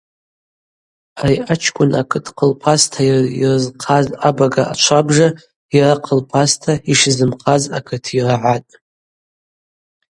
Ари ачкӏвын акыт хъылпаста йрызхъаз абага ачвабжа йара хъылпаста йшизымхъаз акыт йрагӏатӏ.